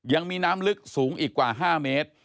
ยังมีน้ำลึกสูงอีกกว่า๕เมตร